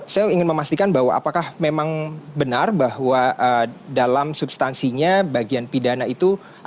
saya ingin memastikan bahwa apakah memang benar bahwa dalam substansinya bagian pidana itu